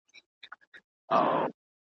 بدلوي په یوه ورځ کي سل رنګونه سل قولونه `